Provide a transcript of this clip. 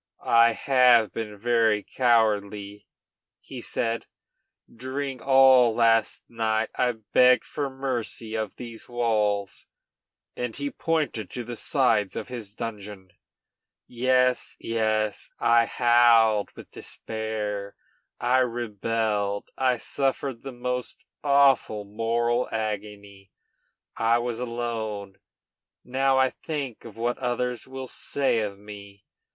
"I have been very cowardly," he said. "During all last night I begged for mercy of these walls," and he pointed to the sides of his dungeon. "Yes, yes, I howled with despair, I rebelled, I suffered the most awful moral agony I was alone! Now I think of what others will say of me.